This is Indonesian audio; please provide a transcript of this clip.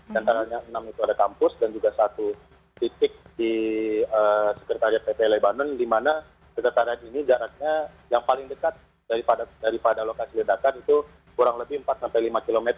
dan karena enam itu ada kampus dan juga satu titik di sekretariat pt lebanon di mana sekretariat ini jaraknya yang paling dekat daripada lokasi ledakan itu kurang lebih empat lima km